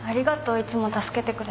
いつも助けてくれて。